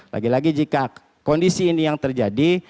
lagi lagi jika kondisi ini yang terjadi